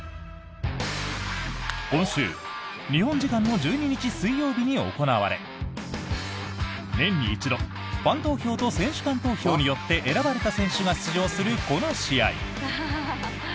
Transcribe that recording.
今週日本時間の１２日水曜日に行われ年に一度ファン投票と選手間投票によって選ばれた選手が出場するこの試合。